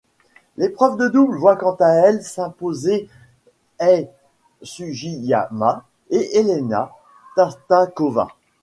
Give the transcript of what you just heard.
L'épreuve de double voit quant à elle s'imposer Ai Sugiyama et Elena Tatarkova.